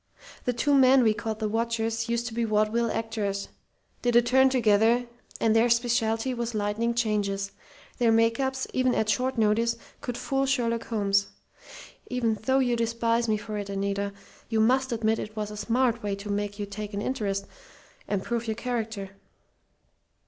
The two men we called the 'watchers' used to be vaudeville actors did a turn together, and their specialty was lightning changes. Their make ups, even at short notice, could fool Sherlock Holmes. Even though you despise me for it, Anita, you must admit it was a smart way to make you take an interest, and prove your character.